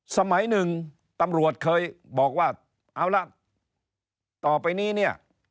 สมัยหนึ่งตำรวจเคยบอกว่าเอาละต่อไปนี้เนี่ย